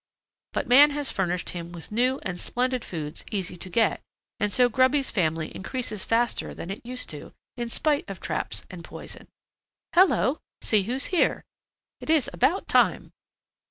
But man has furnished him with new and splendid foods easy to get, and so Grubby's family increases faster than it used to, in spite of traps and poison. Hello! See who's here! It is about time."